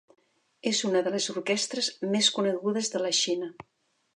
És una de les orquestres més conegudes de la Xina.